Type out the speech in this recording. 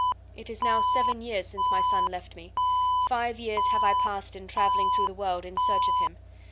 It is now seven years since my son left me; five years have I passed in traveling through the world in search of him.